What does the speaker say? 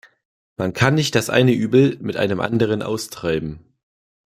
Man kann nicht das eine Übel mit einem anderen austreiben.